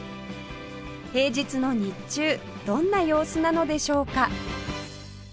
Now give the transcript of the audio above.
平日の日中どんな様子なのでしょうか？